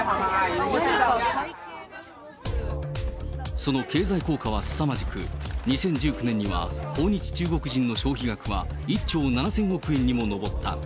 その経済効果はすさまじく、２０１９年には訪日中国人の消費額は１兆７０００億円にも上った。